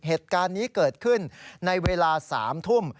เหตุการณ์นี้เกิดขึ้นในเวลา๓ทุ่ม